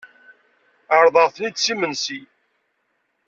Ɛerḍeɣ-ten-id s imensi.